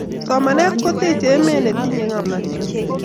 somanet kotechei emet nitinyei ngomnatet